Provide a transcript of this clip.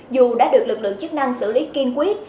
dù đã được lực lượng chức năng xử lý kiên quyết